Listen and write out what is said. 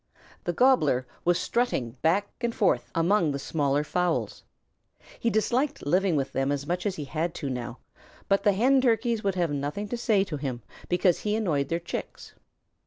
The Gobbler was strutting back and forth among the smaller fowls. He disliked living with them as much as he had to now, but the Hen Turkeys would have nothing to say to him because he annoyed their Chicks.